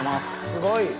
すごい。